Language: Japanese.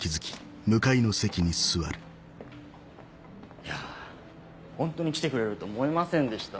いやホントに来てくれると思いませんでした。